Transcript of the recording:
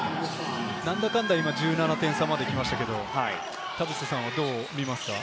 なんだかんだ今１７点差まで来ましたけど、田臥さんはどう見ますか？